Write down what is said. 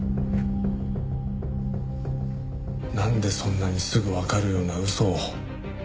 なんでそんなにすぐわかるような嘘を。